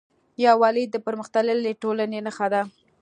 یووالی د پرمختللې ټولنې نښه ده.